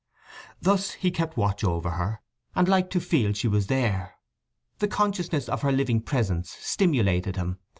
Thus he kept watch over her, and liked to feel she was there. The consciousness of her living presence stimulated him.